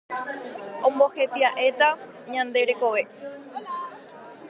Ombohetia'éta ñande rekove